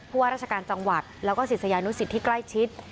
ว่าราชการจังหวัดแล้วก็ศิษยานุสิตที่ใกล้ชิด